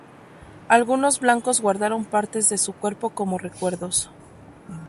Algunos blancos guardaron partes de su cuerpo como recuerdos.